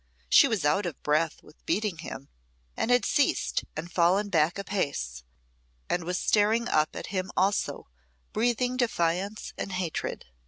She was out of breath with beating him, and had ceased and fallen back apace, and was staring up at him also, breathing defiance and hatred.